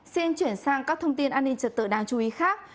xin chuyển sang các thông tin an ninh trật tự đáng chú ý khác